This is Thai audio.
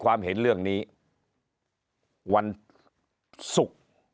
ความเห็นเรื่องนี้วันศุกร์